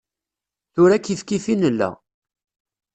Tura kifkif i nella.